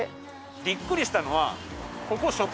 びっくりしたのは。